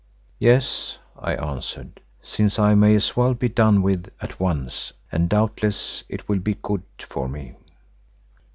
"Yes," I answered, "since I may as well be done with it at once, and doubtless it will be good for me."